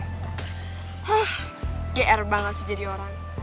hah gr banget sih jadi orang